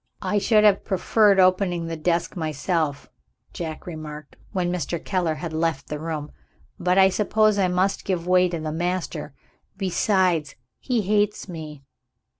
"I should have preferred opening the desk myself," Jack remarked when Mr. Keller had left the room; "but I suppose I must give way to the master. Besides, he hates me."